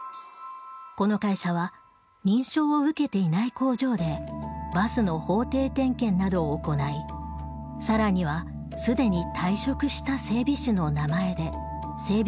この会社は認証を受けていない工場でバスの法定点検などを行いさらにはすでに退職した整備士の名前で整備